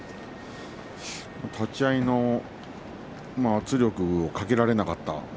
立ち合いの圧力をかけられなかった。